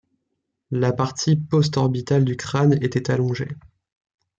La partie postorbitale du crâne était allongée.